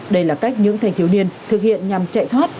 đây là cách những thanh thiếu niên thực hiện nhằm chạy thoát